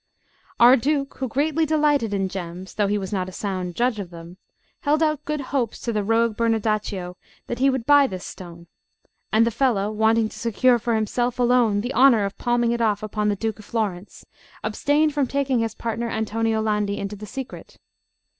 Our Duke, who greatly delighted in gems, though he was not a sound judge of them, held out good hopes to the rogue Bernardaccio that he would buy this stone; and the fellow, wanting to secure for himself alone the honour of palming it off upon the Duke of Florence, abstained from taking his partner Antonio Landi into the secret.